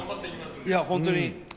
いや本当に。